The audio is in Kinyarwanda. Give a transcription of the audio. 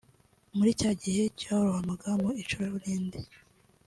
muri cya gihe cyarohamaga mu icuraburindi